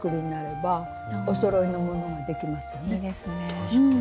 確かに。